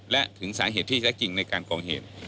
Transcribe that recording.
และถึงสาเหตุที่แท้จริงในการก่อเหตุ